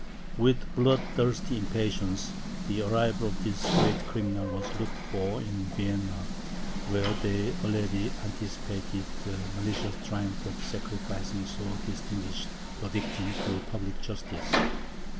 With blood thirsty impatience, the arrival of this great criminal was looked for in Vienna, where they already anticipated the malicious triumph of sacrificing so distinguished a victim to public justice.